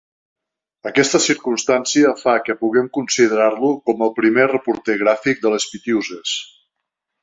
Aquesta circumstància fa que puguem considerar-lo com el primer reporter gràfic de les Pitiüses.